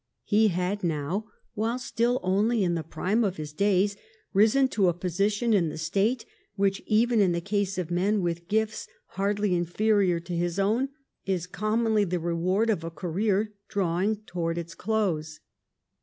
He had now, while still only in the prime of his days, risen to a position in the State which even in the case of men with gifts hardly inferior to his own is commonly the reward of a career drawing towards its close.